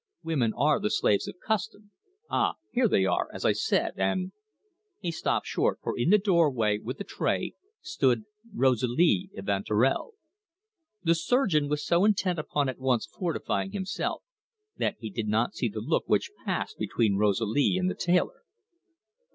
Women are the slaves of custom ah, here they are, as I said, and " He stopped short, for in the doorway, with a tray, stood Rosalie Evanturel. The surgeon was so intent upon at once fortifying himself that he did not see the look which passed between Rosalie and the tailor.